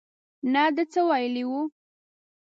نه ده څه ویلي وو.